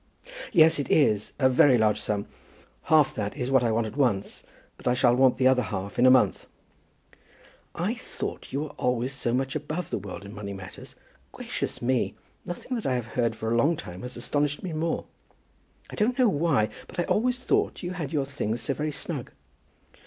"Yes, it is, a very large sum. Half that is what I want at once; but I shall want the other half in a month." "I thought that you were always so much above the world in money matters. Gracious me; nothing that I have heard for a long time has astonished me more. I don't know why, but I always thought that you had your things so very snug."